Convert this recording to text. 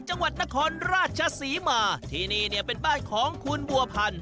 จังหวัดนครราชศรีมาที่นี่เนี่ยเป็นบ้านของคุณบัวพันธ